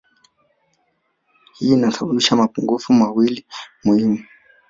Hii inasababisha mapungufu mawili muhimu